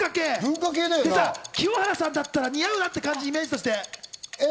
で、清原さんだったら似合うなっていう感じのイメージ。